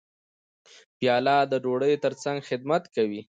پیاله د ډوډۍ ترڅنګ خدمت کوي.